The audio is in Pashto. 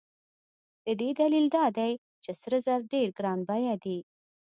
د دې دلیل دا دی چې سره زر ډېر ګران بیه دي.